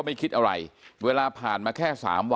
เป็นมีดปลายแหลมยาวประมาณ๑ฟุตนะฮะที่ใช้ก่อเหตุ